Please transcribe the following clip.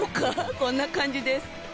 こんな感じです。